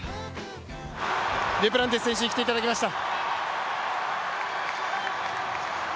デュプランティス選手に来ていただきました。